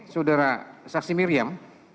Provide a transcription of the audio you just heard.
saudara saksi miriam